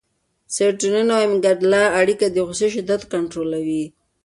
د سېرټونین او امګډالا اړیکه د غوسې شدت کنټرولوي.